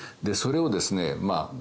それをですね